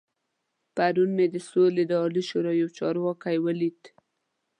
پرون مې د سولې د عالي شورا يو چارواکی ولید.